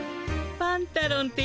パンタロンふん。